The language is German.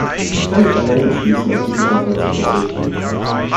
Ich kann nicht allein beschließen, auf diesen Antrag zu verzichten.